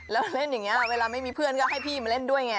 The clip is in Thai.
แล้วเล่นอย่างนี้เวลาไม่มีเพื่อนก็ให้พี่มาเล่นด้วยไง